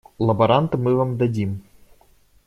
Лаборанта мы вам дадим.